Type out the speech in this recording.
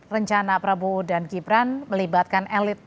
rencana prabowo dan gibran melibatkan elit